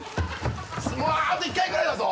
もうあと１回ぐらいだぞ？